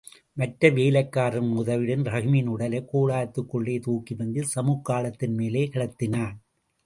மற்ற வேலைக்காரர்களின் உதவியுடன் ரஹீமின் உடலைக் கூடாரத்திற்குள்ளே தூக்கிவந்து சமுக்காளத்தின் மேலே கிடத்தினான்.